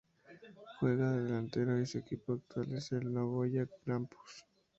Juega de delantero y su equipo actual es el Nagoya Grampus.